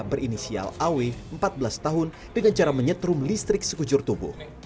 berinisial aw empat belas tahun dengan cara menyetrum listrik sekujur tubuh